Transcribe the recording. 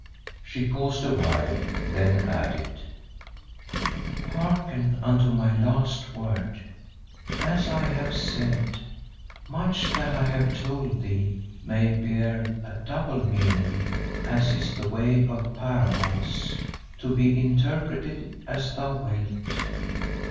She paused awhile, then added, "Hearken unto my last word! As I have said, much that I have told thee may bear a double meaning, as is the way of parables, to be interpreted as thou wilt.